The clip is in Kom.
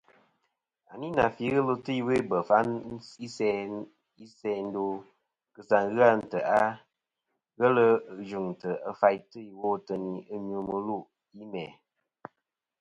À nî nà fî ghɨ ɨlvɨ ta iwo i bef ɨ isas ì ndo kèsa a ntèʼ ghelɨ yvɨ̀ŋtɨ̀ ɨ faytɨ ìwo ateyn ɨ nyvɨ mɨlûʼ yi mæ̀.